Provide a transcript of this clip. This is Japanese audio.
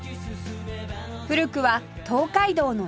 古くは東海道の宿場町